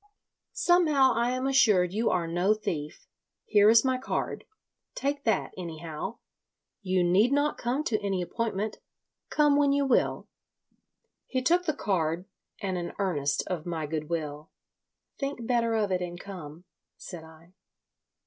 "Somehow I am assured you are no thief. Here is my card. Take that, anyhow. You need not come to any appointment. Come when you will." He took the card, and an earnest of my good will. "Think better of it and come," said I.